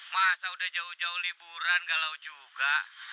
masa udah jauh jauh liburan galau juga